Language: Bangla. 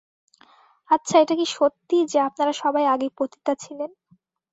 আচ্ছা, এটা কি সত্যি যে আপনারা সবাই আগে পতিতা ছিলেন?